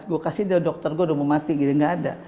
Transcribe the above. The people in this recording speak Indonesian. gue kasih deh dokter gue udah mau mati gitu gak ada